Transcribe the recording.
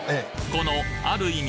このある意味